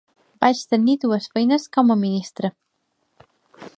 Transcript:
Vaig tenir dues feines com a ministre.